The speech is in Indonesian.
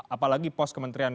apalagi pos kementerian